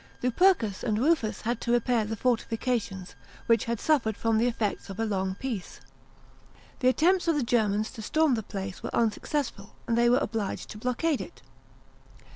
Lupercus and Ru'us hRd to repair the fortifications, which had suffered from the efivcts of a long peace. The attempts of the Germans to storm the place were unsuccessful, and they were obliged to blockade it.